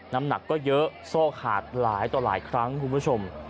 น้ำหนักก็เยอะโซ่ขาดหลายต่อหลายครั้งคุณผู้ชม